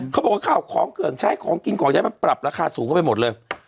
เขาบอกว่าของเกินใช้ของกินของใช้มาปรับราคาสูงก็ไปหมดเลย